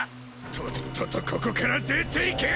とっととここから出ていけ！